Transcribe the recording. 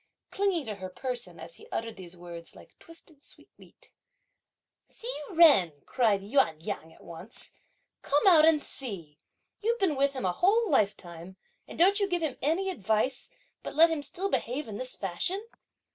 clinging to her person, as he uttered these words, like twisted sweetmeat. "Hsi Jen!" cried Yüan Yang at once, "come out and see! You've been with him a whole lifetime, and don't you give him any advice; but let him still behave in this fashion!"